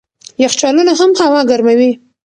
یخچالونه هم هوا ګرموي.